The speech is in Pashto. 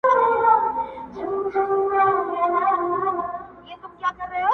o له خوږو او له ترخو نه دي جارېږم,